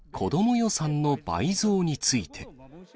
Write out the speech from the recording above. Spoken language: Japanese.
予算の倍増について。